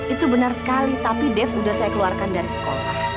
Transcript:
itu benar sekali tapi def sudah saya keluarkan dari sekolah